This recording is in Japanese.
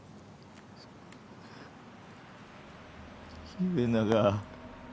秀長。